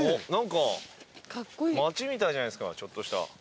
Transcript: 何か町みたいじゃないですかちょっとした。